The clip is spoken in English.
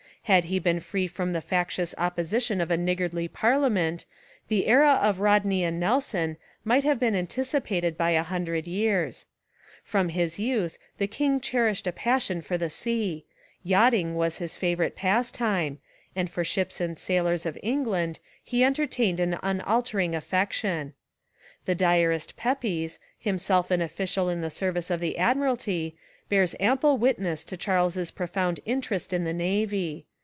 Had he been free from the factious opposition of a niggardly parliament, the era of Rodney and Nelson might have been anticipated by a hun dred years. From his youth the king cher ished a passion for the sea; yachting was his favourite pastime, and for ships and sailors 306 A Rehabilitation of diaries II of England he entertained an unaltering affec tion. The diarist Pepys, himself an official in the service of the admiralty, bears ample wit ness to Charles's profound interest in the navy.